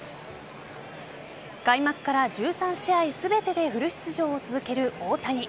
開幕から１３試合全てでフル出場を続ける大谷。